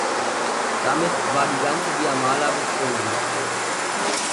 Damit war die ganze Viamala bezwungen.